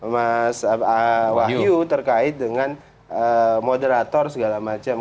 mas wahyu terkait dengan moderator segala macam